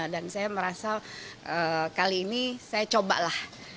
dan saya merasa kali ini saya cobalah